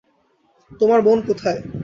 তোমার বোন কোথায়?